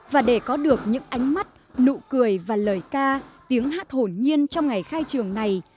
và để có được những ánh mắt nụ cười và lời ca tiếng hát hồn nhiên trong ngày khai trường này